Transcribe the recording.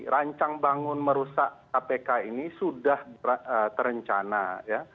rancang bangun merusak kpk ini sudah terencana ya